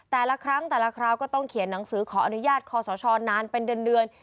แต่ละครั้งแต่ละคราวก็ต้องเขียนหนังสือขออนุญาตคอสชนานเป็นเดือน